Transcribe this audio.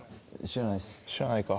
知らないか。